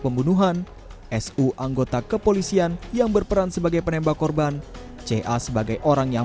pembunuhan su anggota kepolisian yang berperan sebagai penembak korban ca sebagai orang yang